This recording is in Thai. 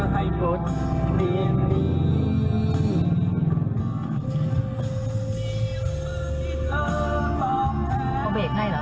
วันมากดีละพระเจ้าขอโขลล่ะ